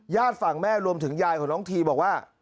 ฝั่งแม่รวมถึงยายของน้องทีบอกว่า